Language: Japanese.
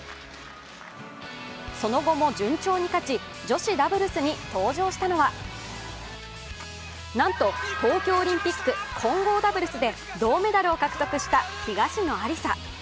その後も順調に勝ち、女子ダブルスに登場したのはなんと、東京オリンピック混合ダブルスで銅メダルを獲得した、東野有紗。